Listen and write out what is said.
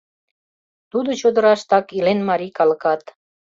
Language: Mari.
Тудо чодыраштак илен марий калыкат.